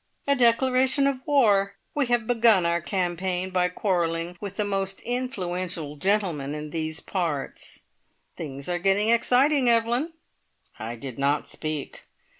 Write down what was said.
"A declaration of war! We have begun our campaign by quarrelling with the most `influential gentleman in these parts!' Things are getting exciting, Evelyn!" I did not speak.